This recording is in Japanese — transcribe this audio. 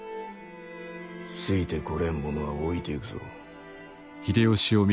ついてこれん者は置いてゆくぞ。